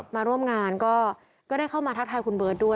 มาร่วมงานก็ได้เข้ามาทักทายคุณเบิร์ตด้วย